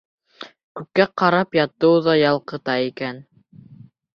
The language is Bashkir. Күккә ҡарап ятыу ҙа ялҡыта икән.